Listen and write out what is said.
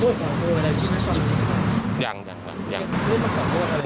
ดูการผ่าขอบทวดอะไร